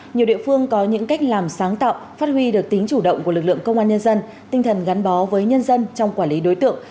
nhiều địa phương có những cách làm sáng tạo phát huy được tính chủ động của lực lượng công an nhân dân tinh thần gắn bó với nhân dân trong quản lý đối tượng